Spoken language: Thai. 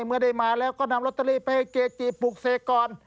เมื่อได้มาแล้วก็นำลอตเตอรี่ไปให้เกจิปลูกเสกก่อน